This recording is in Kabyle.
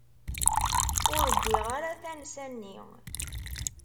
Ur wwiɣ ara tansa-nni.